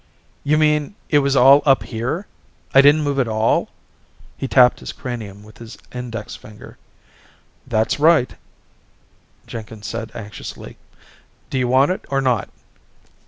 "You mean it was all up here? I didn't move at all?" He tapped his cranium with his index finger. "That's right," Jenkins said anxiously. "Do you want it or not?"